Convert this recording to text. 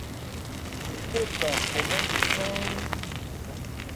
Achédan pɔ mɛ́n bhi kpɛ́ɛ́n.